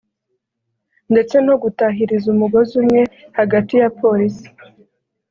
ndetse no gutahiriza umugozi umwe hagati ya Polisi